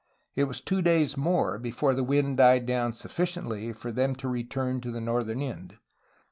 It was two days more before the wind died down sufficiently for them to return to the northern end.